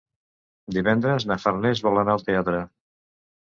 Divendres na Farners vol anar al teatre.